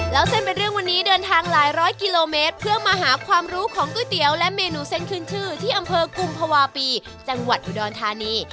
แล้วเส้นเป็นเรื่องวันนี้เดินทางหลายร้อยกิโลเมตรเพื่อมาหาความรู้ของก๋วยเตี๋ยวและเมนูเส้นขึ้นชื่อที่อำเภอกุมภาวะปีจังหวัดอุดรธานี